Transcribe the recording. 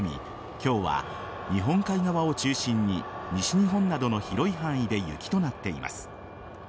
今日は日本海側を中心に西日本などの広い範囲で雪となっています。